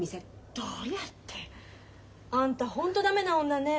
どうやって？あんたホント駄目な女ね。